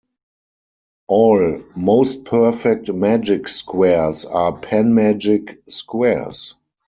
All most-perfect magic squares are panmagic squares.